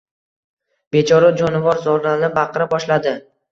Bechora jonivor zorlanib baqira boshladi